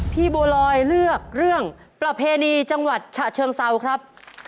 บัวลอยเลือกเรื่องประเพณีจังหวัดฉะเชิงเซาครับ